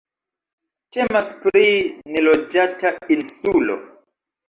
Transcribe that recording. Temas pri neloĝata insulo.